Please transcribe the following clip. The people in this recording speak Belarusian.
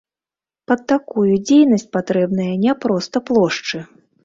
Пад такую дзейнасць патрэбныя не проста плошчы!